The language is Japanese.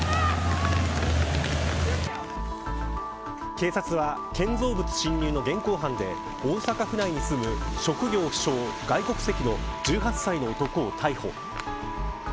警察は建造物侵入の現行犯で大阪府内に住む職業不詳外国籍の１８歳の男を逮捕。